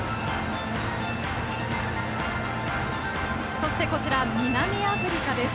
そして、南アフリカです。